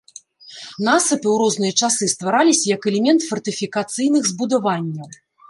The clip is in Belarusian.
Насыпы ў розныя часы ствараліся як элемент фартыфікацыйных збудаванняў.